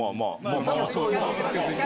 まぁそういう。